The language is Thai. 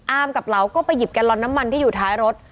กับเหลาก็ไปหยิบแกลลอนน้ำมันที่อยู่ท้ายรถ